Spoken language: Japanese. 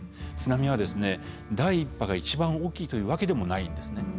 津波は第１波が一番大きいというわけでもないんですね。